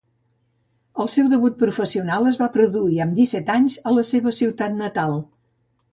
El seu debut professional es va produir amb disset anys, a la seva ciutat natal.